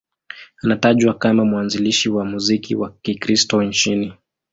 Anatajwa kama mwanzilishi wa muziki wa Kikristo nchini.